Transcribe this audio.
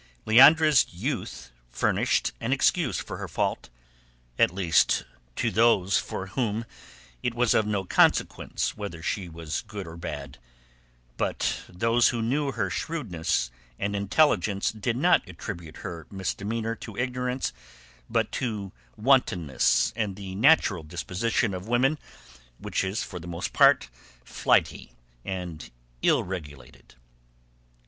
Leandra's youth furnished an excuse for her fault, at least with those to whom it was of no consequence whether she was good or bad; but those who knew her shrewdness and intelligence did not attribute her misdemeanour to ignorance but to wantonness and the natural disposition of women, which is for the most part flighty and ill regulated.